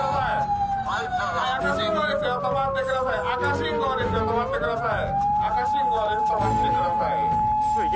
赤信号です止まって下さい。